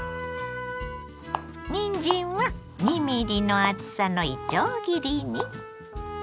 にんじんは２ｍｍの厚さのいちょう切りに。